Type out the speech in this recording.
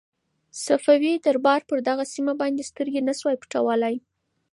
صفوي دربار پر دغه سیمه باندې سترګې نه شوای پټولای.